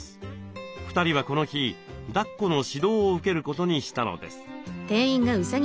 ２人はこの日だっこの指導を受けることにしたのです。